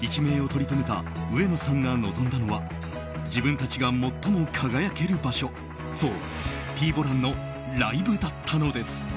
一命をとりとめた上野さんが望んだのは自分たちが最も輝ける場所そう、Ｔ‐ＢＯＬＡＮのライブだったのです。